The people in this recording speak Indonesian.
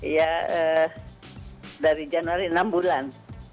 ya dari januari enam bulan